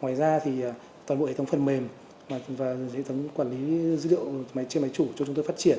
ngoài ra thì toàn bộ hệ thống phần mềm và hệ thống quản lý dữ liệu trên máy chủ cho chúng tôi phát triển